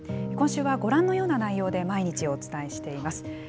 今週はご覧のような内容で、毎日お伝えしています。